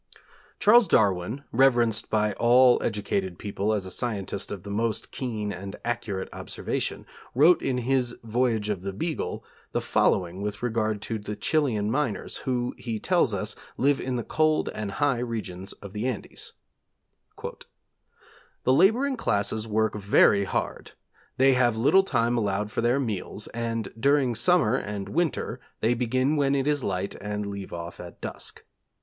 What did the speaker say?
Charles Darwin, reverenced by all educated people as a scientist of the most keen and accurate observation, wrote in his Voyage of the Beagle, the following with regard to the Chilian miners, who, he tells us, live in the cold and high regions of the Andes: 'The labouring class work very hard. They have little time allowed for their meals, and during summer and winter, they begin when it is light and leave off at dusk.